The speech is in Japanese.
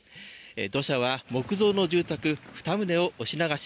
土砂は木造の住宅２棟を押し流し